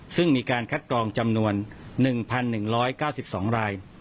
ซึ่งมีการคัดกรองจำนวน๑๑๙๒ราย